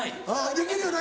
できるよな。